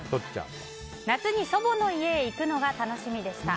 夏に祖母の家に行くのが楽しみでした。